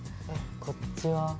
こっちは？